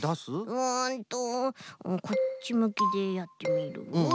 うんとこっちむきでやってみるよ。